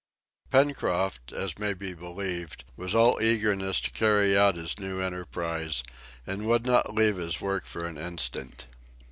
Pencroft, as may be believed, was all eagerness to carry out his new enterprise, and would not leave his work for an instant.